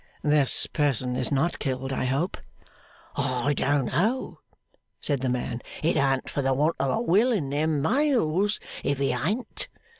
'This person is not killed, I hope?' 'I don't know!' said the man, 'it an't for the want of a will in them Mails, if he an't.